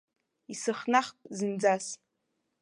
Исыхнахп зынӡас.